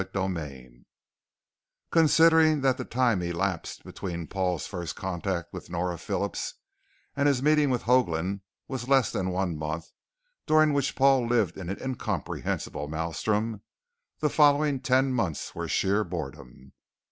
CHAPTER 11 Considering that the time elapsed between Paul's first contact with Nora Phillips and his meeting with Hoagland was less than one month, during which Paul lived in an incomprehensible maelstrom, the following ten months were sheer boredom.